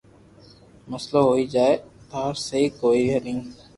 مسئلو ھوئي جائين ٽار سھي ڪوئي ني